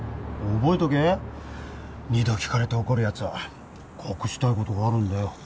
覚えとけ２度聞かれて怒るやつは隠したいことがあるんだよ。